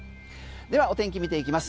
ではお天気見ていきます。